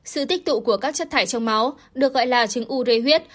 sự tích tụ của các chất thải trong máu được gọi là trứng u rê huyết